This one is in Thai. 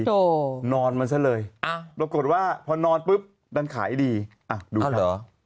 โหนอนมันซะเลยอ่ะรบกฎว่าพอนอนปุ๊บดันขายดีอ่ะดูซะอ่าเหรอ